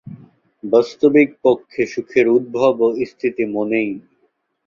বাস্তবিকপক্ষে সুখের উদ্ভব ও স্থিতি মনেই।